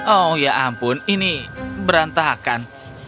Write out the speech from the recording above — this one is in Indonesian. oh ya ampun ini berantakan